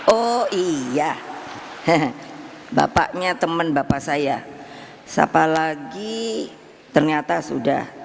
oh iya bapaknya teman bapak saya siapa lagi ternyata sudah